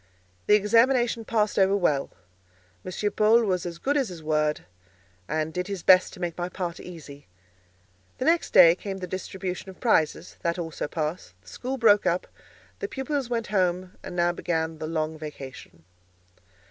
The examination passed over well; M. Paul was as good as his word, and did his best to make my part easy. The next day came the distribution of prizes; that also passed; the school broke up; the pupils went home, and now began the long vacation.